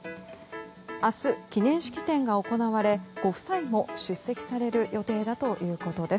明日、記念式典が行われご夫妻も出席される予定だということです。